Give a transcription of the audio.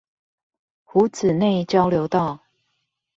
湖子內交流道